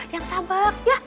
yang sabar ya